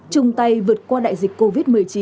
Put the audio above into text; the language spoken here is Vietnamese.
chung tay vượt qua đại dịch covid một mươi chín